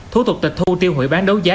thủ tục tịch thu tiêu hủy bán đấu giá